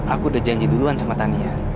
aku udah janji duluan sama tani ya